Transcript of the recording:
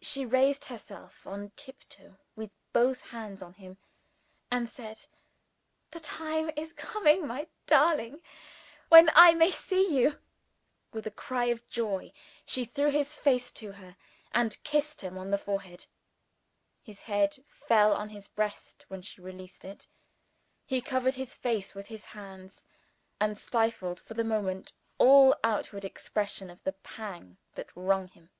She raised herself on tiptoe, with both hands on him, and said, "The time is coming, my darling, when I may see You!" With a cry of joy, she drew his face to her, and kissed him on the forehead. His head fell on his breast when she released it: he covered his face with his hands, and stifled, for the moment, all outward expression of the pang that wrung him.